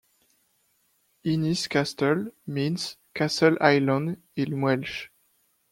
Ynys Castell means Castle Island in Welsh.